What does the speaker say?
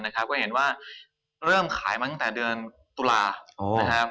ก็ให้เห็นว่าเริ่มขายบ้างที่ดั่งเมืองตุลาด์